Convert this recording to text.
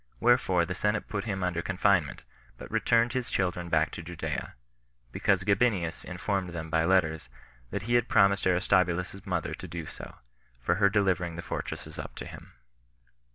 Wherefore the senate put him under confinement, but returned his children back to Judea, because Gabinius informed them by letters that he had promised Aristobulus's mother to do so, for her delivering the fortresses up to him.